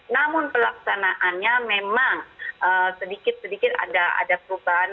namun pelaksanaannya memang sedikit sedikit ada perubahan